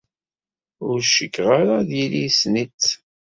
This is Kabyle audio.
Ur cikkeɣ ara ad yili yessen-itt.